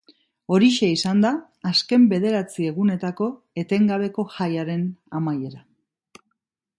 Horixe izan da azken bederatzi egunetako etengabeko jaiaren amaiera.